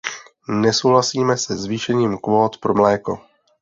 Nesouhlasíme se zvýšením kvót pro mléko.